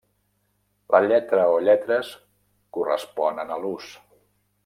La lletra o lletres, corresponen a l'ús.